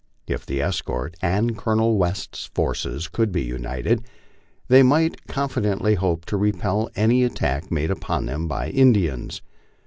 If the escort and Colonel West's forces could be united, they might confidently hope to repel any attack made upon them by Indians.